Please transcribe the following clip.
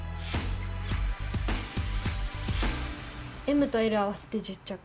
ＭとＬ合わせて１０着。